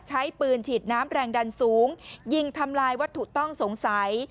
ใช้ปืนฉีดน้ำแรงดันสูงยิงทำลายวัตถุต้องสงสัย